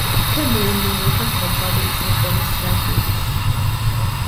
Kemm hu n-numru ta' tobba nieqsa f'dan is-servizz?